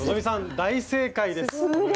大正解です。